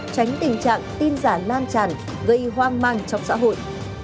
tránh tình trạng tin giả lan tràn gây hoang mang trong xã hội